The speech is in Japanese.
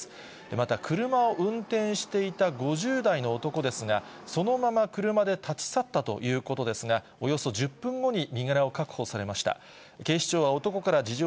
また車を運転していた５０代の男ですが、そのまま車で立ち去ったということですが、およそ１０分後に身柄を確保されました。